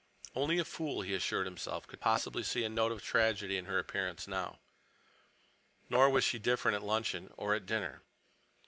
Only a fool, he assured himself, could possibly see a note of tragedy in her appearance now. Nor was she different at luncheon or at dinner.